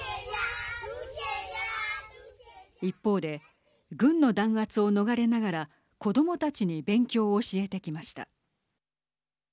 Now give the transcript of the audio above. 一方で軍の弾圧を逃れながら子どもたちに勉強を教えてきました。